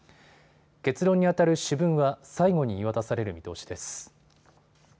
結論にあたる主文は最後に言い渡される見通しです。